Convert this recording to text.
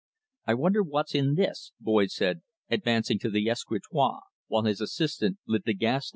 "I wonder what's in this?" Boyd said, advancing to the escritoire while his assistant lit the gas.